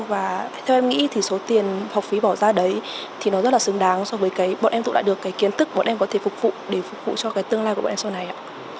và theo em nghĩ thì số tiền học phí bỏ ra đấy thì nó rất là xứng đáng so với cái bọn em tụ lại được cái kiến thức bọn em có thể phục vụ để phục vụ cho cái tương lai của bọn em sau này ạ